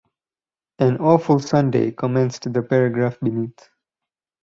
‘An awful Sunday,’ commenced the paragraph beneath.